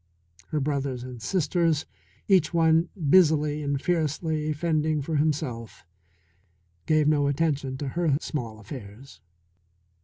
Her brothers and sisters, each one busily and fiercely fending for himself, gave no attention to her small affairs.